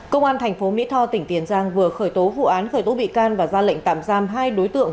công an thành phố mỹ tho tỉnh tiền giang vừa khởi tố vụ án khởi tố bị can và ra lệnh tạm giam hai đối tượng